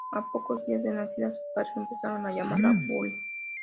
A pocos días de nacida, sus padres empezaron a llamarla Buri.